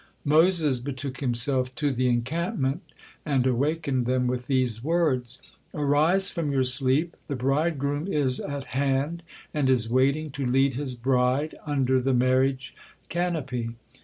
Moses betook himself to the encampment and awakened them with these words: "Arise from your sleep, the bridegroom is at hand, and is waiting to lead his bride under the marriage canopy."